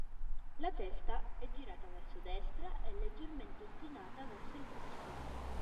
La testa è girata verso destra e leggermente inclinata verso il basso.